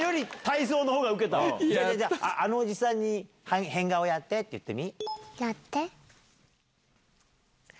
じゃああのおじさんに「変顔やって」って言ってみ。